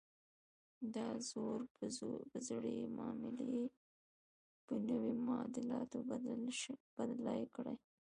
دا زور به زړې معاملې په نویو معادلاتو بدلې کړي.